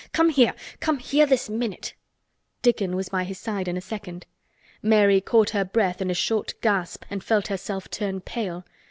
"Come here! Come here! This minute!" Dickon was by his side in a second. Mary caught her breath in a short gasp and felt herself turn pale.